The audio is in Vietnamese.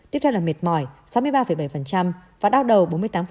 tiếp theo là miệt mỏi sáu mươi ba bảy và đao đầu bốn mươi tám